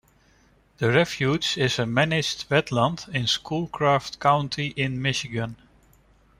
The refuge is a managed wetland in Schoolcraft County in Michigan.